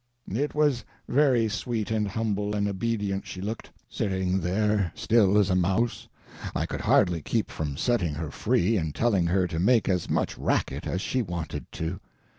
It was very sweet and humble and obedient she looked, sitting there, still as a mouse; I could hardly keep from setting her free and telling her to make as much racket as she wanted to.